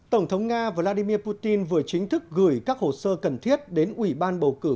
tổng thống nga vladimir putin vừa chính thức gửi các hồ sơ cần thiết đến ủy ban bầu cử